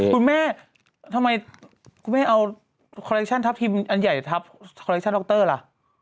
คุณแม่ทำไมคุณแม่เอาคอลเลคชั่นทัพทีมอันใหญ่ทับคอลเลคชั่นดรล่ะ